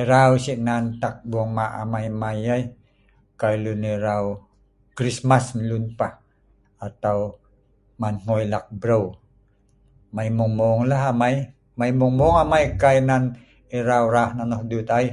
erau sik nan takbongma' amai mei ai kai lun erau krismas neh lun pah atau man hgui lak breu mei mung mung la amei mei mung mung amei kai nan erau rah nonoh dut ai